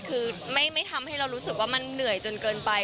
คือไม่ทำให้เรารู้สึกว่ามันเหนื่อยจนเกินไป